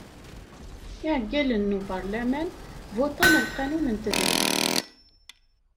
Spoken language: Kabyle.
Iɛeggalen n ubarlaman votan lqanun n tedrimt.